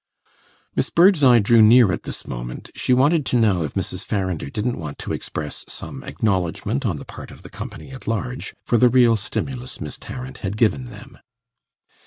Miss Birdseye drew near at this moment; she wanted to know if Mrs. Farrinder didn't want to express some acknowledgment, on the part of the company at large, for the real stimulus Miss Tarrant had given them.